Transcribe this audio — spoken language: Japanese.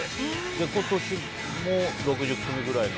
今年も６０組くらいの？